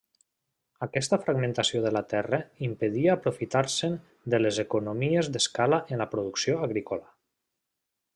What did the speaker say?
Aquesta fragmentació de la terra impedia aprofitar-se'n de les economies d'escala en la producció agrícola.